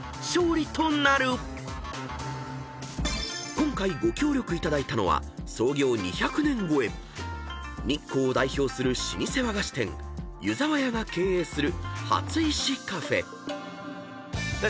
［今回ご協力いただいたのは創業２００年超え日光を代表する老舗和菓子店湯沢屋が経営する］